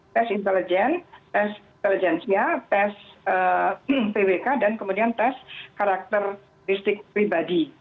tes intelligence tes intelligensia tes pwk dan kemudian tes karakteristik pribadi